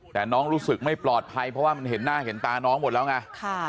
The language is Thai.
แต่น้องรู้สึกไม่ปลอดภัยเพราะว่ามันเห็นหน้าเห็นตาน้องหมดแล้วไง